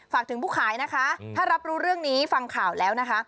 ฝากถึงผู้ขายนะคะถ้ารับรู้เรื่องนี้ฟังข่าวแล้วนะคะ